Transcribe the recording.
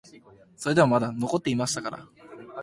それでもまだ残っていましたから、